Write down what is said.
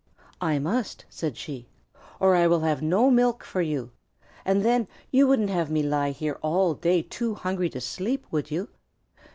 "I must," said she, "or I shall have no milk for you. And then, you wouldn't have me lie here all day too hungry to sleep, would you?"